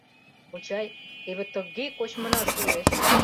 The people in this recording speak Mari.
— Кочай, теве тыге кочмына шуэш!